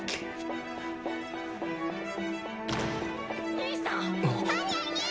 兄さんっ